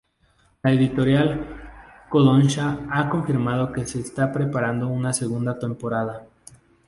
La editorial Kodansha ha confirmado que se está preparando una segunda temporada.